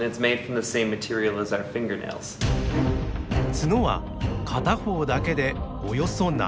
角は片方だけでおよそ７キロ。